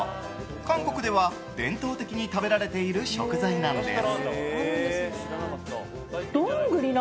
韓国では伝統的に食べられている食材なんです。